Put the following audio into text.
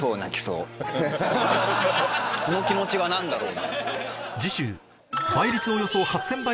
この気持ちは何だろう？